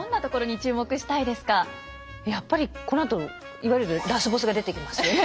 やっぱりこのあといわゆるラスボスが出てきますよね。